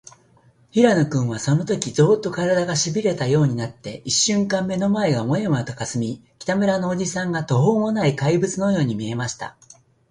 平野君は、そのとき、ゾーッと、からだが、しびれたようになって、いっしゅんかん目の前がモヤモヤとかすみ、北村のおじさんが、とほうもない怪物のように見えました。